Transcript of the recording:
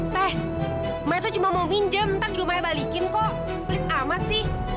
teh saya tuh cuma mau pinjam ntar juga saya balikin kok pelit amat sih